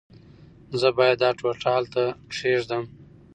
زه باید دا ټوټه هلته کېږدم.